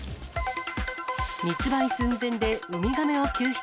密売寸前でウミガメを救出。